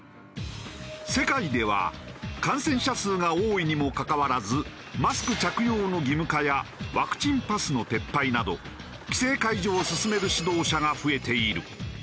世界では感染者数が多いにもかかわらずマスク着用の義務化やワクチンパスの撤廃など規制解除を進める指導者が増えている。